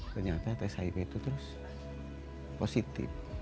ternyata tes hiv itu terus positif